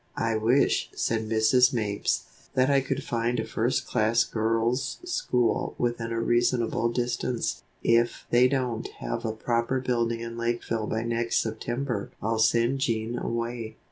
"I wish," said Mrs. Mapes, "that I could find a first class girls' school within a reasonable distance. If they don't have a proper building in Lakeville by next September I'll send Jean away.